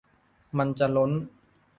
มันจะล้น